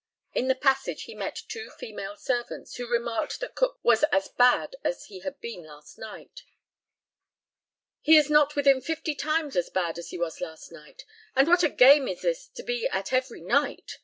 In the passage he met two female servants, who remarked that Cook was as "bad" as he had been last night. "He is not within fifty times as bad as he was last night; and what a game is this to be at every night!"